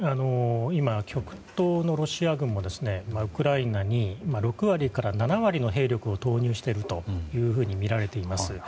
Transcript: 今、極東のロシア軍もウクライナに６割から７割の兵力を投入しているとみられています。